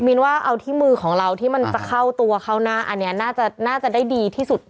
นว่าเอาที่มือของเราที่มันจะเข้าตัวเข้าหน้าอันนี้น่าจะได้ดีที่สุด